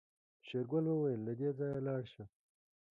شېرګل وويل له دې ځايه لاړه شه.